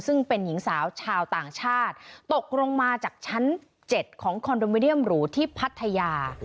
ซึ่งเป็นหญิงสาวชาวต่างชาติตกลงมาจากชั้น๗ของคอนโดมิเนียมหรูที่พัทยา